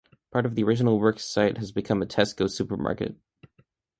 Part of the original works site has become a Tesco supermarket.